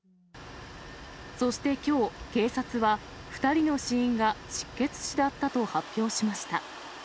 そしてきょう、警察は、２人の死因が失血死だったと発表しました。